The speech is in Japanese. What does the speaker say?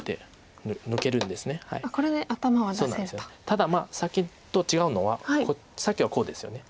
たださっきと違うのはさっきはこうですよね。